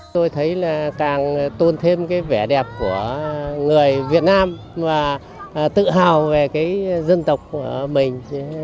tôi thấy là càng tôn thêm cái vẻ đẹp của người việt nam và tự hào về cái dân tộc của mình